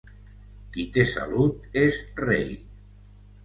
Qui té salut és rei.